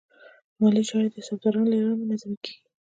مالي چارې د حسابدارانو له لارې منظمې کېږي.